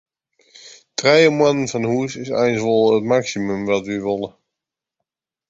Trije moanne fan hûs is eins wol it maksimum wat wy wolle.